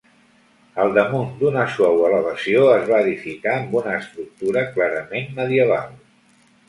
Al damunt d'una suau elevació, es va edificar amb una estructura clarament medieval.